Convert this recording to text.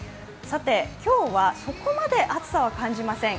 今日はそこまで暑さは感じません。